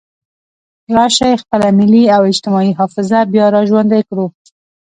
راشئ خپله ملي او اجتماعي حافظه بیا را ژوندۍ کړو.